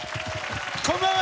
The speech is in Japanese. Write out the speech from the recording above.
こんばんは！